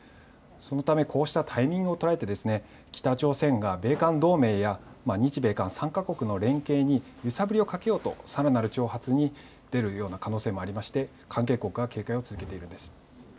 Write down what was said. そのため、こうしたタイミングを捉えて北朝鮮が米韓同盟や日米韓３か国の連携に揺さぶりをかけようとさらなる挑発に出る可能性もありまして関係国が警戒を続けているんです。